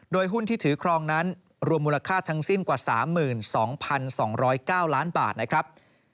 โดยหุ้นที่ถือครองนั้นรวมมูลค่าทั้งสิ้นกว่า๓๒๒๐๙ล้านบาทนะครับ